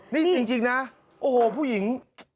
นี่จริงนะโอ้โหผู้หญิง